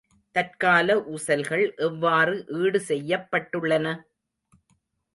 தற்கால ஊசல்கள் எவ்வாறு ஈடு செய்யப்பட்டுள்ளன?